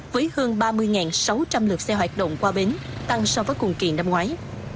với hơn ba mươi sáu trăm linh lượt xe hoạt động qua bến tăng so với cùng kỳ năm ngoái